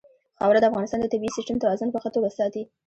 خاوره د افغانستان د طبعي سیسټم توازن په ښه توګه ساتي.